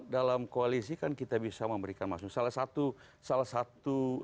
dalam koalisi kan kita bisa menganggapnya sebagai pemerintah yang terbaik dan yang terbaik untuk kita